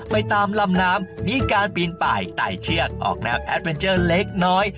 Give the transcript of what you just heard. ไปตามลำน้ำมมีการปินป่ายไตเชียดออกแนวเล็กน้อย